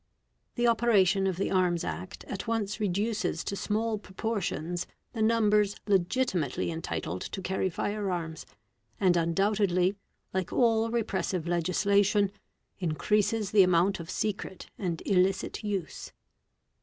The operation of the Arms Act at once reduces to small proportions the : numbers legitimately entitled to carry fire arms, and undoubtedly, like all repressive legislation, increases the amount of secret and illicit use.